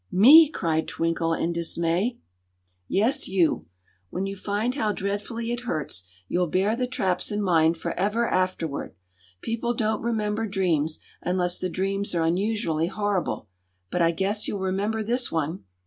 "Me!" cried Twinkle, in dismay. "Yes, you. When you find how dreadfully it hurts you'll bear the traps in mind forever afterward. People don't remember dreams unless the dreams are unusually horrible. But I guess you'll remember this one."